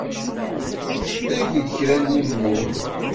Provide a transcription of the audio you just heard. Eg-d kra n wumuɣ.